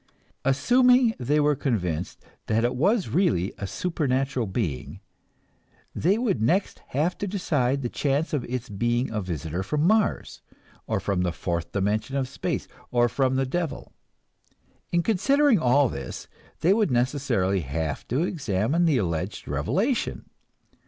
Assuming they were convinced that it was really a supernatural being, they would next have to decide the chances of its being a visitor from Mars, or from the fourth dimension of space, or from the devil. In considering all this, they would necessarily have to examine the alleged revelation.